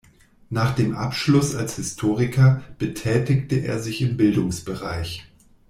Nach dem Abschluss als Historiker betätigte er sich im Bildungsbereich.